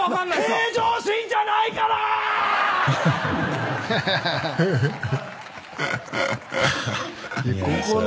平常心じゃないから今！